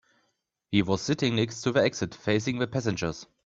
He was sitting next to the exit, facing the passengers.